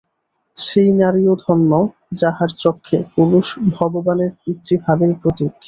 সেই নারীও ধন্য, যাঁহার চক্ষে পুরুষ ভগবানের পিতৃভাবের প্রতীক।